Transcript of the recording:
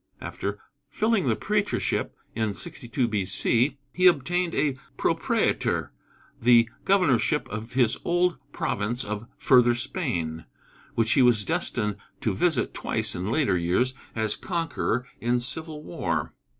After filling the prætorship in 62 B.C., he obtained, as proprætor, the governorship of his old province of Further Spain, which he was destined to visit twice in later years as conqueror in civil war.